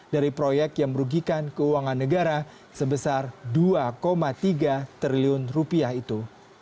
dari proyek yang merugikan keuangan negara sebesar dua tiga triliun rupiah itu